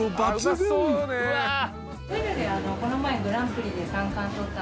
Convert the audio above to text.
この前グランプリで三冠取ったものです。